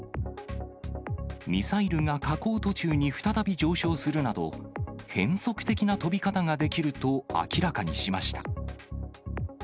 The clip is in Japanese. ミサイルが下降途中に再び上昇するなど、変則的な飛び方ができると明らかにしました。